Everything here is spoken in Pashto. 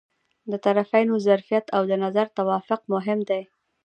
د طرفینو ظرفیت او د نظر توافق مهم دي.